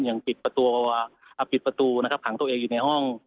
ยังปิดประตูปิดประตูนะครับขังตัวเองอยู่ในห้อง